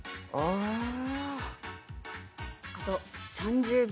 あと３０秒。